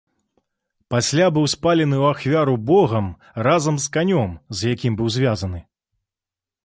Пасля быў спалены ў ахвяру богам разам з канем, з якім быў звязаны.